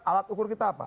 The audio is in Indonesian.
alat ukur kita apa